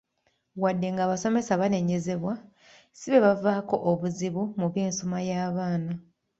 "Wadde nga abasomesa banenyezebwa, si beebavaako obuzibu mu by'ensoma y'abaana."